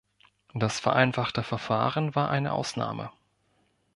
Das vereinfachte Verfahren war eine Ausnahme.